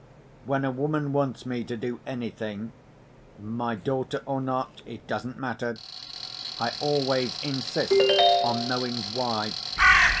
When a woman wants me to do anything (my daughter, or not, it doesn't matter), I always insist on knowing why.